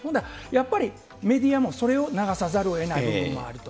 やっぱりメディアもそれを流さざるをえない部分もあると。